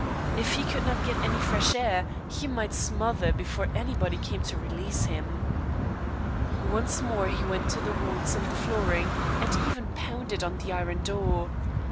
If he could not get any fresh air, he might smother before anybody came to release him. Once more he went over the walls and the flooring, and even pounded on the iron door.